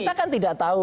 kita kan tidak tahu